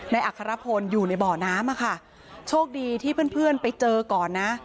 นายอัครพลอยู่ในบ่อน้ำค่ะโชคดีที่เพื่อนไปเจอก่อนนะ